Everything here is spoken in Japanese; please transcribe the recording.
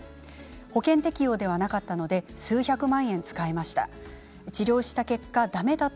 保険適用ではなかったので数百万円、使いました。